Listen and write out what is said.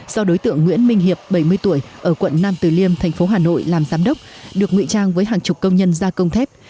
do đối tượng nguyễn minh hiệp bảy mươi tuổi ở quận nam từ liêm thành phố hà nội làm giám đốc được ngụy trang với hàng chục công nhân gia công thép